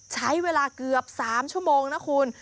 ใช้เวลาเกือบ๓ชั่วโมงนะคุณ